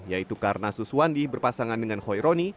yaitu karena suswandi berpasangan dengan hoironi